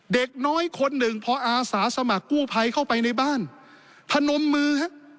เด็กน้อยคนหนึ่งพออาสาสมัครกู้ภัยเข้าไปในบ้านพนมมือฮะ